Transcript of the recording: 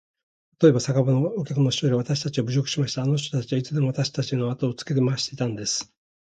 たとえば、酒場のお客の一人がわたしを侮辱しました。あの人たちはいつでもわたしのあとをつけ廻していたんです。